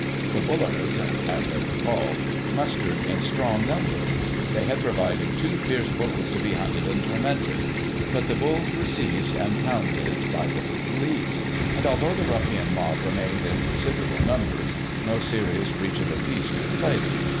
The bullards (as they were called) mustered in strong numbers. They had provided two fierce bulls to be hunted and tormented ; but the bulls were seized and pounded by the police ; and, although the ruffian mob remained in considerable numbers, no serious breach of the peace took place.